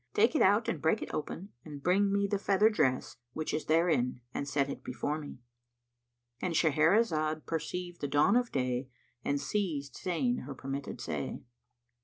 Take it out and break it open and bring me the feather dress which is therein and set it before me."—And Shahrazad perceived the dawn of day and ceased saying her permitted say.